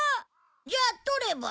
じゃあとれば？